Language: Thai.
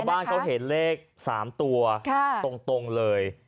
บ้านเขาเห็นเลข๓ตัวตรงเลย